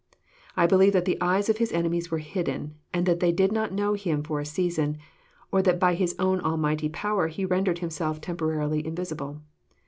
I believe that the eyes of Bis enemies were holden, and that they did not know Him for a season, or that by His own almighty power He rendered Him self temporarily invisible.